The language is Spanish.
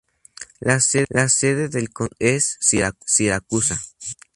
La sede del condado es Siracusa.